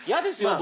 僕。